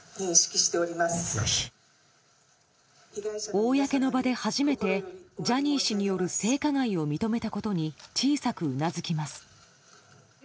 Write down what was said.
公の場で初めてジャニー氏による性加害を認めたことに小さくうなずきます。